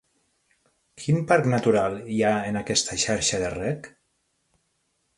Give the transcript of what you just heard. Quin parc natural hi ha en aquesta xarxa de rec?